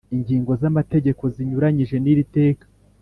ingingo z amategeko zinyuranyije n iri teka